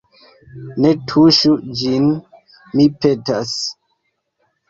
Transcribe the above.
Ne tuŝu ĝin, mi petas.